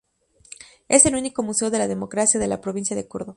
Es el único museo de la democracia de la provincia de Córdoba.